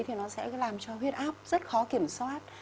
thì nó sẽ làm cho huyết áp rất khó kiểm soát